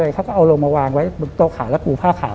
เขาเอาลงมาวางไว้ตัวขาแล้วกูผ้าขาว